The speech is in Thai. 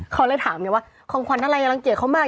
เขาเลยถามไงว่าของขวัญอะไรรังเกียจเขามาก